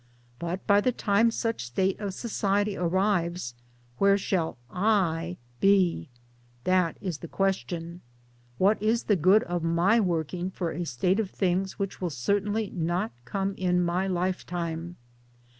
But by the time such state of society arrives, where shajl " I " be? That is the question. iWhat is the good of my working for a state of jthings which will certainly not come in my lifetime?